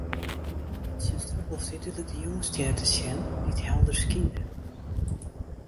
Oan 'e tsjustere loft wie dúdlik de Jûnsstjer te sjen, dy't helder skynde.